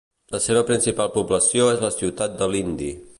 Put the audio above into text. La seva principal població és la ciutat de Lindi.